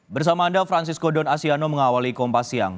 bersama anda francisco don asiano mengawali kompas siang